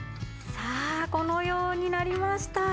さあこのようになりました！